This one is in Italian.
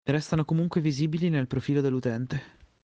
Restano comunque visibili nel profilo dell'utente.